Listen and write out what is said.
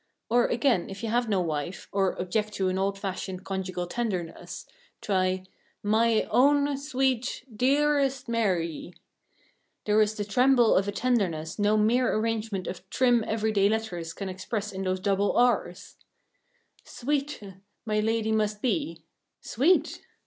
Or, again, if you have no wife, or object to an old fashioned conjugal tenderness, try "Mye owne sweete dearrest Marrie." There is the tremble of a tenderness no mere arrangement of trim everyday letters can express in those double r's. "Sweete" my ladie must be; sweet!